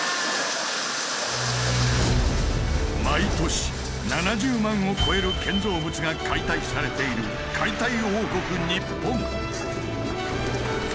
毎年７０万を超える建造物が解体されている解体王国日本。